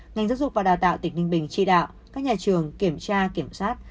ngành giáo dục và đào tạo tỉnh ninh bình chỉ đạo các nhà trường kiểm tra kiểm soát